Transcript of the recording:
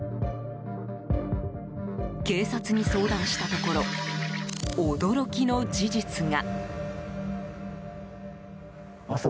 警察に相談したところ驚きの事実が。